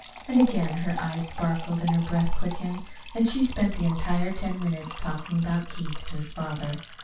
And again her eyes sparkled and her breath quickened; and she spent the entire ten minutes talking about Keith to his father.